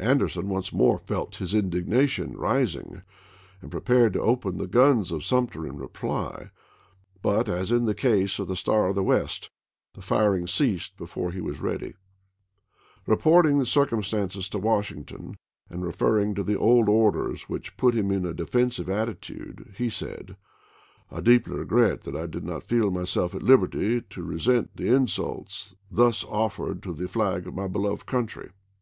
Anderson once more felt his indignation rising and prepared to open the guns of Sumter in reply, but, as in the case of the Star of the West, the firing ceased before he was ready. Reporting the cii cumstances to Washington, and referring to the old orders which put him in a defensive attitude, he said: "I deeply regret that I did not feel myself ^^derson at Uberty to resent the insult thus offered to the IpriuTsei! flag of my beloved country."